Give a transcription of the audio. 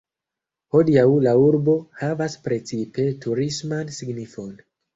Hodiaŭ la urbo havas precipe turisman signifon.